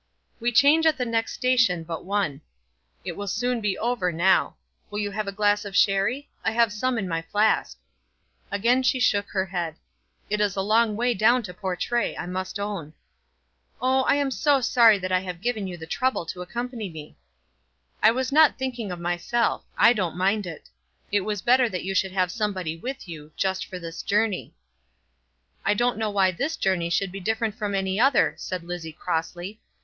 "We change at the next station but one. It will soon be over now. Will you have a glass of sherry? I have some in my flask." Again she shook her head. "It is a long way down to Portray, I must own." "Oh, I am so sorry that I have given you the trouble to accompany me." "I was not thinking of myself. I don't mind it. It was better that you should have somebody with you, just for this journey." "I don't know why this journey should be different from any other," said Lizzie crossly.